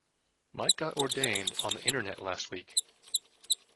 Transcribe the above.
Mike got ordained on the internet last week.